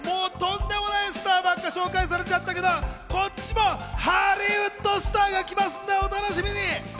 とんでもないスターばっか紹介されちゃったけど、こっちもハリウッドスターが来ますのでお楽しみに！